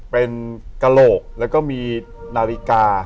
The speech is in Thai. เป็นกระโหลกแล้วก็มีนาฬิกา